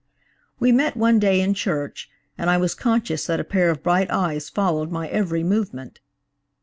"We met one day in church, and I was conscious that a pair of bright eyes followed my every movement.